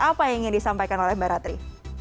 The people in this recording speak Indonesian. apa yang ingin disampaikan oleh mbak ratri